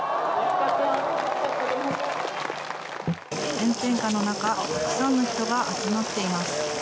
炎天下の中たくさんの人が集まっています。